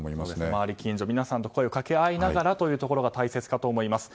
周り、近所、皆さんと声を掛け合いながらというところが大切かと思います。